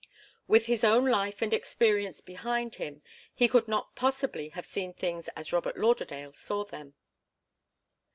With his own life and experience behind him, he could not possibly have seen things as Robert Lauderdale saw them.